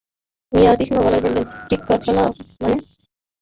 মিয়া তীক্ষ্ণ গলায় বললেন, টিক্কা খেলা মানে?